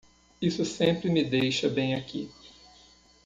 Isso sempre me deixa bem aqui.